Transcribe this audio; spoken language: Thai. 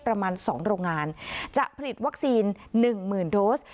ประมาณ๒โรงงานจะผลิตวัคซีน๑๐๐๐โดส